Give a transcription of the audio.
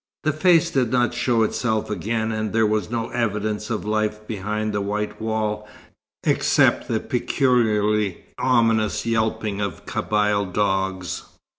The face did not show itself again; and there was no evidence of life behind the white wall, except the peculiarly ominous yelping of Kabyle dogs.